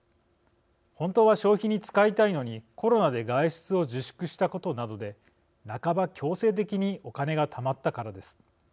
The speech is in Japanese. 本当は消費に使いたいのにコロナで外出を自粛したことなどで半ば強制的にお金がたまったからです。